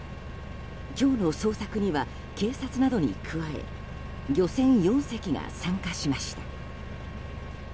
今日の捜索には、警察などに加え漁船４隻が参加しました。